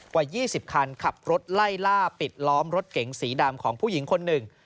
กว่า๒๐คันขับรถไล่ล่าปิดล้อมรถเก๋งสีดำของผู้หญิงคนหนึ่ง